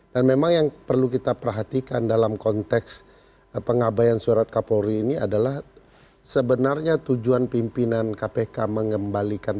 dan memang yang perlu kita perhatikan dalam konteks pengabayan surat kapolri ini adalah sebenarnya tujuan pimpinan kpk mengembalikan